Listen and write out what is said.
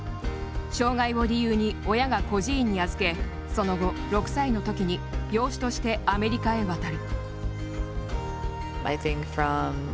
障がいを理由に親が孤児院に預けその後、６歳のときに養子としてアメリカへ渡る。